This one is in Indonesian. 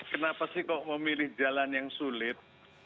kenapa sih kok mau milih jalan yang sulit